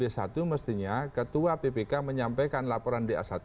satu mestinya ketua ppk menyampaikan laporan da satu